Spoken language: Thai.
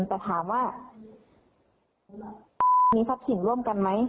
แต่ถามว่ามีทรัพย์สินร่วมกันไหม